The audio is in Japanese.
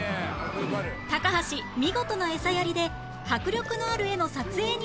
高橋見事なエサやりで迫力のある画の撮影に成功